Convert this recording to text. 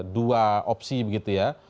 dua opsi begitu ya